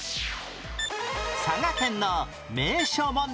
佐賀県の名所問題